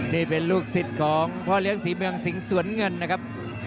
นี่เป็นลูกศิษย์ของพ่อเลี้ยงศรีเมืองสิงห์สวนเงินนะครับ